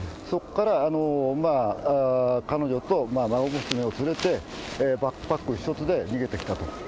そこから彼女と孫娘を連れて、バックパック１つで逃げてきたと。